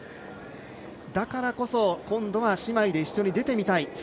だからこそ、今度は姉妹で一緒に出てみたい。